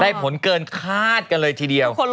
ผลเกินคาดกันเลยทีเดียว